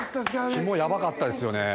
肝ヤバかったですよね。